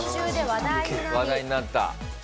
話題になった。